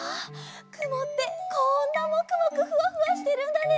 くもってこんなもくもくふわふわしてるんだね。